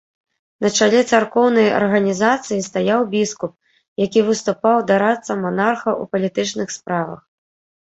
На чале царкоўнай арганізацыі стаяў біскуп, які выступаў дарадцам манарха ў палітычных справах.